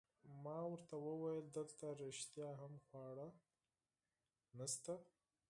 ما ورته وویل: دلته رښتیا هم خواړه نشته؟